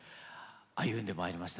歩んでまいりましたね。